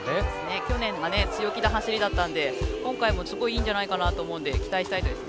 去年強気の走りだったので今回もすごいいいんじゃないかなと思うので期待したいですね。